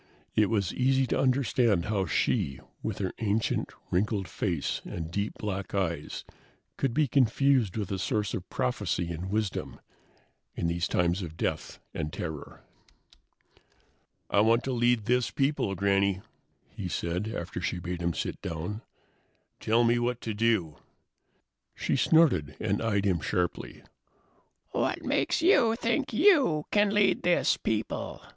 It was easy to understand how she, with her ancient, wrinkled face and deep black eyes, could be confused with a source of prophecy and wisdom in these times of death and terror. "I want to lead this people, Granny," he said, after she had bade him sit down. "Tell me what to do." She snorted and eyed him sharply. "What makes you think you can lead this people?"